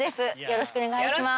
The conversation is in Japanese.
よろしくお願いします。